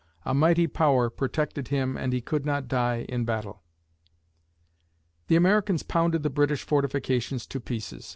"A mighty Power protected him and he could not die in battle!" The Americans pounded the British fortifications to pieces.